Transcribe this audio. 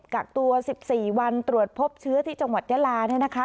กักตัว๑๔วันตรวจพบเชื้อที่จังหวัดยาลาเนี่ยนะคะ